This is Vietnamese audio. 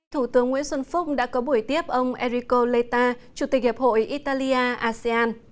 thủ tướng nguyễn xuân phúc đã có buổi tiếp ông enrico leita chủ tịch hiệp hội italia asean